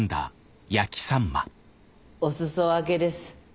おすそ分けです。